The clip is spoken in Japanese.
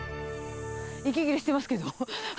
息切れしてますけど。